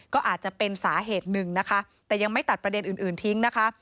ก็อาจจะเป็นสาเหตุหนึ่งนะคะแต่ยังไม่ตัดประเด็นอื่นทิ้งนะคะ